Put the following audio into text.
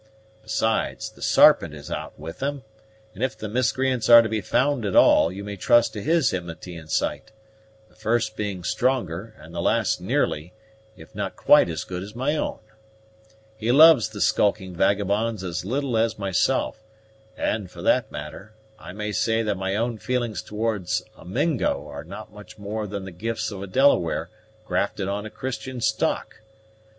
Besides, the Sarpent is out with them; and if the miscreants are to be found at all, you may trust to his inmity and sight: the first being stronger, and the last nearly, if not quite as good as my own. He loves the skulking vagabonds as little as myself; and, for that matter, I may say that my own feelings towards a Mingo are not much more than the gifts of a Delaware grafted on a Christian stock.